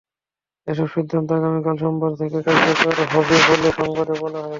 এসব সিদ্ধান্ত আগামীকাল সোমবার থেকে কার্যকর হবে বলে সংবাদে বলা হয়।